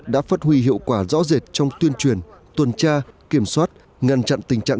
đã phát huy hiệu quả rõ rệt trong tuyên truyền tuần tra kiểm soát ngăn chặn tình trạng